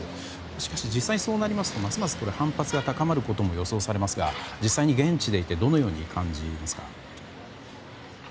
しかし、実際にそうなりますとますます反発が高まることも予想されますが実際に現地にいてどのように感じますか？